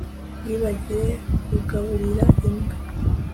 Yibagiwe kugaburira imbwa